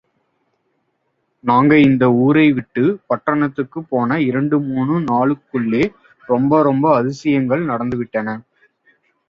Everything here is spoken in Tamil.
நாங்க இந்த ஊரை விட்டுப் பட்டணத்துக்குப் போன இரண்டு மூணு நாளுக்குள்ளே ரொம்ப ரொம்ப அதிசங்கள் நடந்து விட்டன.